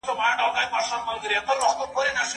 دا د واليبال جال د کلکې نایلون تار څخه په مهارت اوبدل شوی.